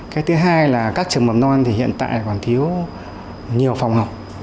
cái thứ hai là các trường mầm non thì hiện tại còn thiếu nhiều phòng học